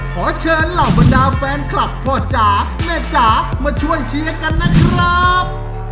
ขอเชิญเหล่าบรรดาแฟนคลับพ่อจ๋าแม่จ๋ามาช่วยเชียร์กันนะครับ